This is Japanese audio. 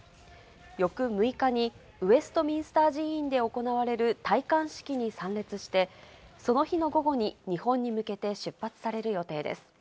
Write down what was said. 翌６日にウエストミンスター寺院で行われる戴冠式に参列して、その日の午後に日本に向けて出発される予定です。